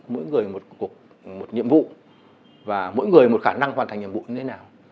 mỗi người một nhiệm vụ và mỗi người một khả năng hoàn thành nhiệm vụ như thế nào